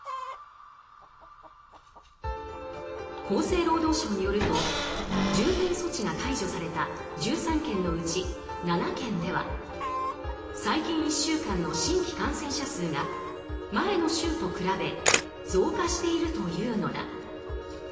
厚生労働省によると重点措置が解除された１３県のうち７県では最近１週間の新規感染者数が前の週と比べ増加しているというのだ。